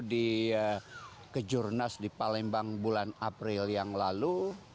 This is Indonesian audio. dia ke kejurnas di palembang bulan april yang lalu